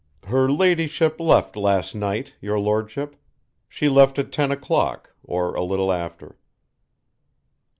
"Her ladyship left last night, your Lordship, she left at ten o'clock, or a little after."